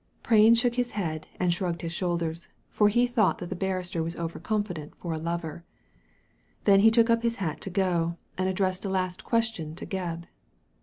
Prain shook his head and shrugged his shoulders, for he thought that the barrister was over confident for a lover. Then he took up his hat to go, and addressed a last question to Gebb.